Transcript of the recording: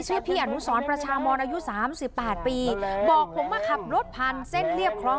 พี่อนุสรประชามอนอายุสามสิบแปดปีบอกผมมาขับรถผ่านเส้นเรียบคลอง